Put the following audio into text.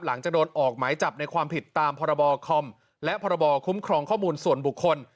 จะโดนออกหมายจับในความผิดตามพรบคอมและพรบคุ้มครองข้อมูลส่วนบุคคล